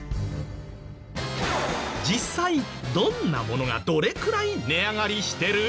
実際どんなものがどれくらい値上がりしてる？